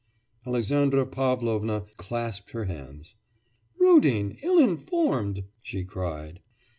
Alexandra Pavlovna clasped her hands. 'Rudin ill informed!' she cried.